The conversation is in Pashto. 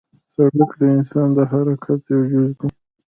سړک د انسان د حرکت یو جز دی.